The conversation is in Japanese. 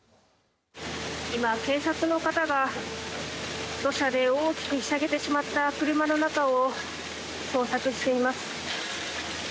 今、警察の方が土砂で大きくひしゃげてしまった車の中を捜索しています。